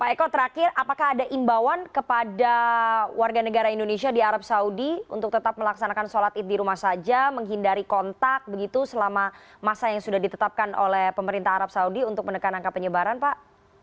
pak eko terakhir apakah ada imbauan kepada warga negara indonesia di arab saudi untuk tetap melaksanakan sholat id di rumah saja menghindari kontak begitu selama masa yang sudah ditetapkan oleh pemerintah arab saudi untuk menekan angka penyebaran pak